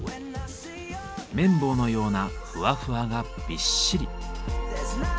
綿棒のようなふわふわがびっしり。